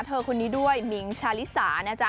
เธอคนนี้ด้วยมิงชาลิสานะจ๊ะ